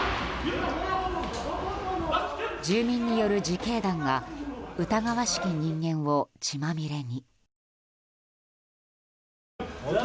住民による自警団が疑わしき人間を血まみれに。